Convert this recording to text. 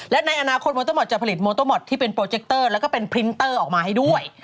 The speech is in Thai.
และในอนาคตโมโตมอทจะผลิตโมโตมอทที่เป็นโปรเจคเตอร์แล้วก็เป็นพรินเตอร์ออกมาให้ด้วย